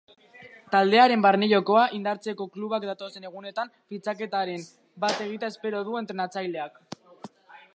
Taldearen barne jokoa indartzeko klubak datozen egunetan fitxaketaren bat egitea espero du entrenatzaileak.